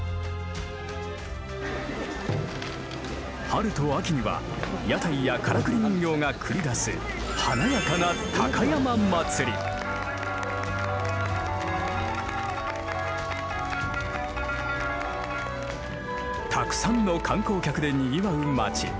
春と秋には屋台やカラクリ人形が繰り出す華やかなたくさんの観光客でにぎわう町。